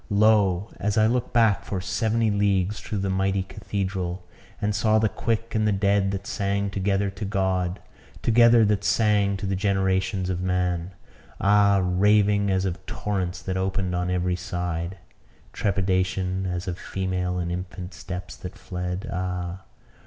Lo! as I looked back for seventy leagues through the mighty cathedral, and saw the quick and the dead that sang together to God, together that sang to the generations of man ah! raving, as of torrents that opened on every side: trepidation, as of female and infant steps that fled ah!